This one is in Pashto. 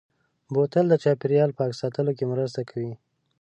بوتل د چاپېریال پاک ساتلو کې مرسته کوي.